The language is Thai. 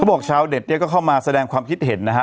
บอกชาวเน็ตเนี่ยก็เข้ามาแสดงความคิดเห็นนะฮะ